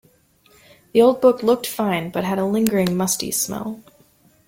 The old book looked fine but had a lingering musty smell.